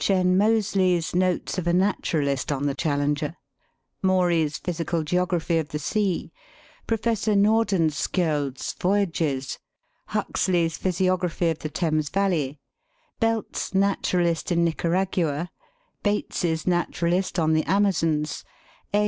N. Moseley's viii THE WORLD'S LUMBER ROOM. "Notes of a Naturalist on the Challenger;" Maury's "Physical Geography of the Sea;" Prof. Nordenskj old's " Voyages ;" Huxley's " Physiography of the Thames Valley;" Belt's "Naturalist in Nicaragua;" Bates's "Naturalist on the Amazons;" A.